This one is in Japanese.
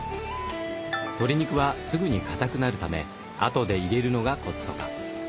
鶏肉はすぐに固くなるためあとで入れるのがコツとか。